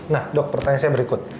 nah dok pertanyaan saya berikut